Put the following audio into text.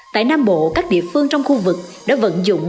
tại nam bộ các địa phương trong khu vực đã vận dụng